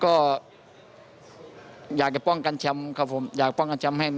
saya ingin melakukannya untuk keluarga anak istri ibu dan semua orang